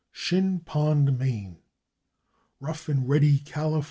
/Shin Pond/, Me., /Rough and Ready/, Calif.